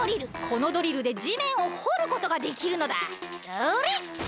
このドリルでじめんをほることができるのだそれ！